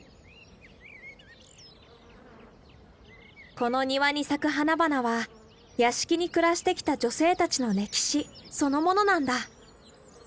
この庭に咲く花々は屋敷に暮らしてきた女性たちの歴史そのものなんだ。